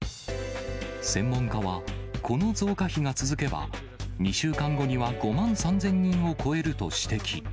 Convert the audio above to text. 専門家は、この増加比が続けば、２週間後には５万３０００人を超えると指摘。